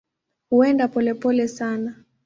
Huenda polepole sana.